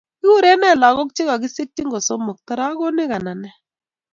Kiigure neeh lagok che kagisikchin ko somok? Taragonik anan nee